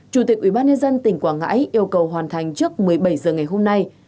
chủ tịch ubnd tỉnh quảng ngãi yêu cầu hoàn thành trước một mươi bảy h ngày hôm nay